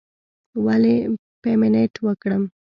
ولې پیمنټ وکړم.